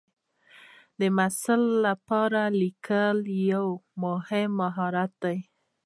د محصل لپاره لیکل یو مهم مهارت دی.